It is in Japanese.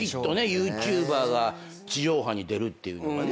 ＹｏｕＴｕｂｅｒが地上波に出るっていうのがね。